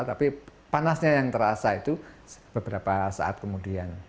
tapi panasnya yang terasa itu beberapa saat kemudian